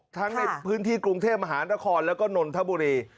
ทั้งในพื้นที่กรุงเทพมหานครแล้วก็นนทบุรี